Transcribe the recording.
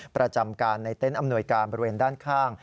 ประจำการในเต็นต์อำนวยการบริเวณด้านข้าง